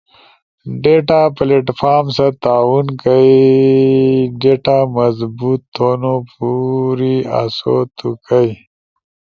ڈیتا پلیٹ فارم ست تعاون کئی در ڈیٹا مضبوط تھونو پوری آسو تو کئی